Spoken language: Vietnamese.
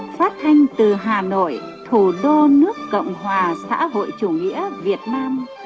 phát thanh từ hà nội thủ đô nước cộng hòa xã hội chủ nghĩa việt nam